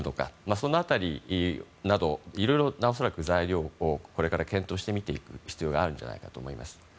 その辺りなど、恐らくいろいろな材料をこれから検討して見ていく必要があるんじゃないかと思います。